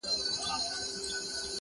ما جوړ كړي په قلاوو كي غارونه!!